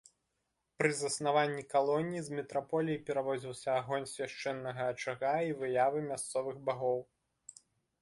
Пры заснаванні калоніі з метраполіі перавозіўся агонь свяшчэннага ачага і выявы мясцовых багоў.